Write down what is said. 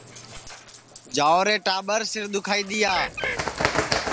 جاؤرے ٹاٻر سِر دُؔکھائی دؔیا